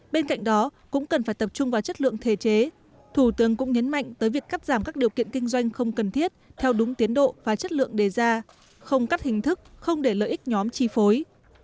bên cạnh đó cũng cần phải tập trung vào chất lượng thể chế thủ tướng cũng nhấn mạnh tới việc cắt giảm các điều kiện kinh doanh không cần thiết theo đúng tiến độ và chất lượng đề ra không cắt hình thức không để lợi ích nhóm chi phối